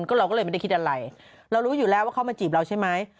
ก็เราก็เลยไม่ได้คิดอะไรเรารู้อยู่แล้วว่าเขามาจีบเราใช่ไหม